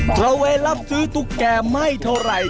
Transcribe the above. ระเวนรับซื้อตุ๊กแก่ไม่เท่าไหร่